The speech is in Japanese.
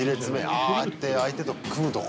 あああやって相手と組むとこ？